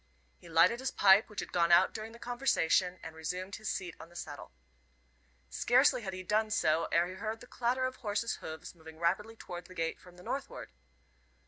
He lighted his pipe, which had gone out during the conversation, and resumed his seat on the settle. Scarcely had he done so ere he heard the clatter of horse's hoofs moving rapidly towards the gate from the northward.